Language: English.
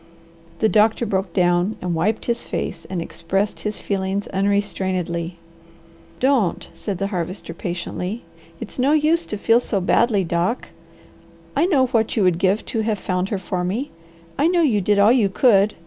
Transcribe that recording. The doctor broke down and wiped his face and expressed his feelings unrestrainedly. "Don't!" said the Harvester patiently. "It's no use to feel so badly, Doc. I know what you would give to have found her for me. I know you did all you could.